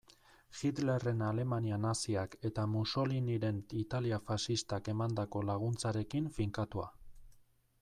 Hitlerren Alemania naziak eta Mussoliniren Italia faxistak emandako laguntzarekin finkatua.